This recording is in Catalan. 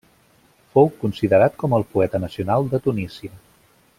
Fou considerat com el poeta nacional de Tunísia.